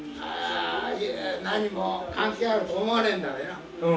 何も関係あると思わないんだ。